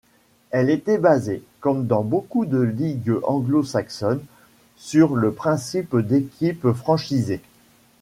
Elle était basée, comme dans beaucoup de ligue anglo-saxonnes, sur le principe d'équipes franchisées.